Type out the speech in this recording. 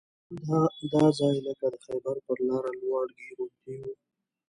دا ځای لکه د خیبر پر لاره لواړګي غوندې وو.